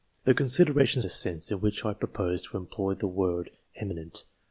These considerations define the sense in which I propose to employ the word " eminent."